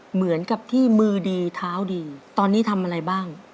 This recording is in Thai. เหมือนกับที่มือดีเท้าดีตอนนี้ทำอะไรบ้าง